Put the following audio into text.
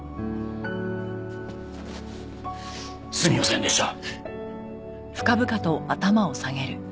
すみませんでした！